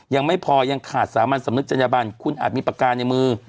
ยังไม่พอยังขาดสามัญสำนึกกรรมนิจจันทร์บันคุณอาจมีประการในมือ